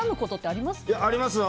あります。